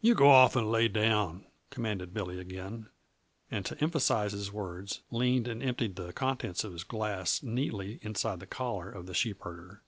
"You go off and lay down!" commanded Billy again, and to emphasize his words leaned and emptied the contents of his glass neatly inside the collar of the sheepherder.